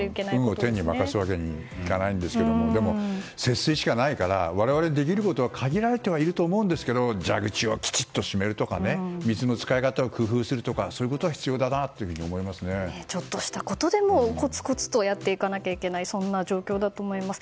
運を天に任すわけにはいきませんが節水しかないですから我々にできることは限られているとは思うんですが蛇口をきちっと閉めるとか水の使い方を工夫するのはちょっとしたことでもコツコツやっていかなければいけないそんな状況だと思います。